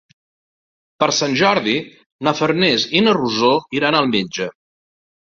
Per Sant Jordi na Farners i na Rosó iran al metge.